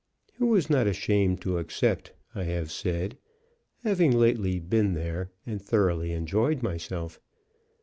Who is not ashamed to accept, I have said, having lately been there and thoroughly enjoyed myself?